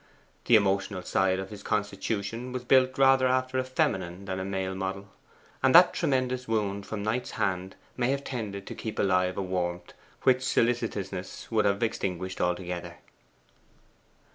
The emotional side of his constitution was built rather after a feminine than a male model; and that tremendous wound from Knight's hand may have tended to keep alive a warmth which solicitousness would have extinguished altogether.